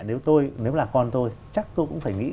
nếu là con tôi chắc tôi cũng phải nghĩ